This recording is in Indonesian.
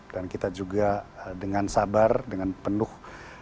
dan kita juga dengan sabar dengan penuh